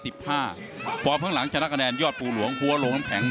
ฝ่ายฝั่งหลังชนะคะแนนยอดภูรวงศ์ภูวะโรงน้ำแข็ง